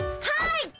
はい！